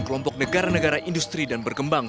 kelompok negara negara industri dan berkembang